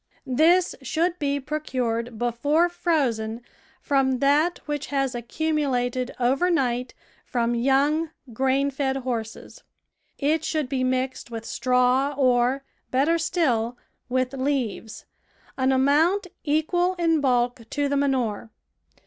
This should be procured before frozen from that which has accumulated over night from young, grain fed horses. It should be mixed with straw or, better still, with leaves — an amount equal in bulk to the manure.